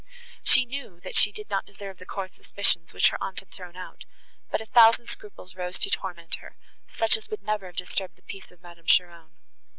She knew, that she did not deserve the coarse suspicions, which her aunt had thrown out, but a thousand scruples rose to torment her, such as would never have disturbed the peace of Madame Cheron.